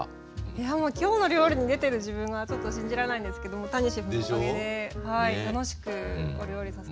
いやもう「きょうの料理」に出てる自分がちょっと信じられないんですけども谷シェフのおかげで楽しくお料理させてもらいました。